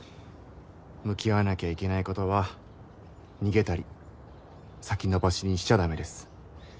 向き合わなきゃいけないことは逃げたり先延ばしにしちゃ駄目です。